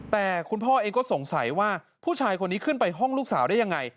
แต่คุณพ่อเองก็สงสัยว่าผู้ชายคนนี้ขึ้นไปห้องลูกสาวได้ยังไง